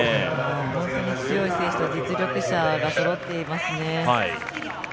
本当に強い選手と実力者がそろっていますね。